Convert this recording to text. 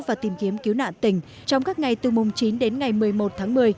và tìm kiếm cứu nạn tỉnh trong các ngày từ mùng chín đến ngày một mươi một tháng một mươi